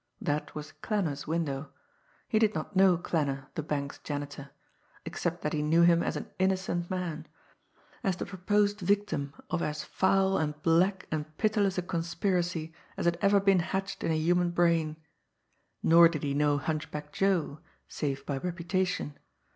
That was Klanner's window. He did not know Klanner, the bank's janitor except that he knew him as an innocent man, as the proposed victim of as foul and black and pitiless a conspiracy as had ever been hatched in a human brain! Nor did he know Hunchback Joe save by reputation.